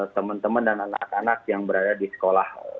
teman teman dan anak anak yang berada di sekolah